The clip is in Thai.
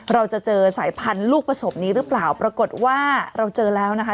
เราจะเจอสายพันธุ์ลูกประสบนี้หรือเปล่าปรากฏว่าเราเจอแล้วนะคะ